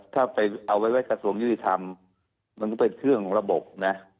ถ้าไปเอาไว้กระทรวงยุติธรรมมันก็เป็นเครื่องของระบบนะ